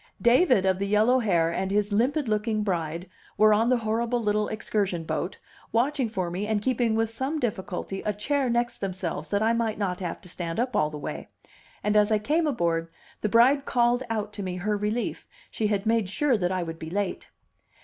David of the yellow heir and his limpid looking bride were on the horrible little excursion boat, watching for me and keeping with some difficulty a chair next themselves that I might not have to stand up all the way; and, as I came aboard, the bride called out to me her relief, she had made sure that I would be late.